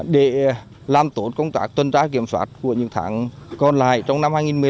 để làm tốt công tác tuần tra kiểm soát của những tháng còn lại trong năm hai nghìn một mươi chín